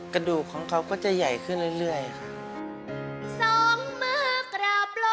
กระดูกของเขาก็จะใหญ่ขึ้นเรื่อยค่ะ